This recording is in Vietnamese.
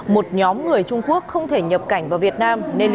một nhóm người trung quốc không thể nhập cảnh vào việt nam